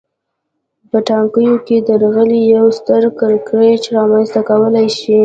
په ټاکنو کې درغلي یو ستر کړکېچ رامنځته کولای شي